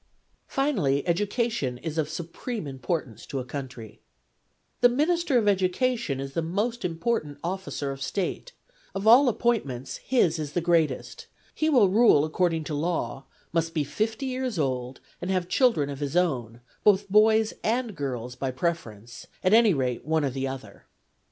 Finally, education is of supreme importance to a country : The minister of education is the most important officer of State ; of all appointments his is the greatest ; he will rule according to law, must be fifty years old, and have children of his own, both boys and girls by preference, at any rate one or the other.